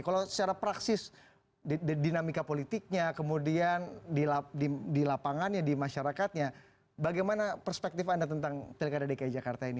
kalau secara praksis dinamika politiknya kemudian di lapangannya di masyarakatnya bagaimana perspektif anda tentang pilkada dki jakarta ini